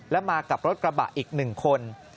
และมากับรถกระบะอีก๑คน